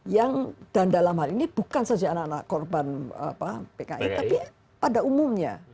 yang dan dalam hal ini bukan saja anak anak korban pki tapi pada umumnya